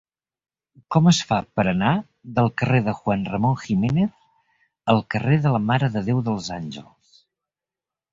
Com es fa per anar del carrer de Juan Ramón Jiménez al carrer de la Mare de Déu dels Àngels?